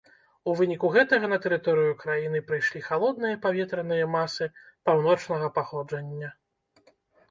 У выніку гэтага на тэрыторыю краіны прыйшлі халодныя паветраныя масы паўночнага паходжання.